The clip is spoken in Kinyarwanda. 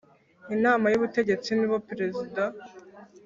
Inama y Ubutegetsi nibo Perezida